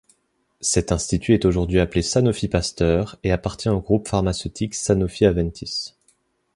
Cet institut est aujourd'hui appelé Sanofi Pasteur et appartient au groupe pharmaceutique Sanofi-Aventis.